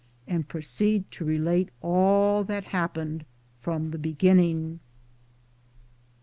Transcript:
And now I will proceed to relate all that happened from the begin* ning.